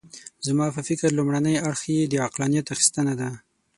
زما په فکر لومړی اړخ یې د عقلانیت اخیستنه ده.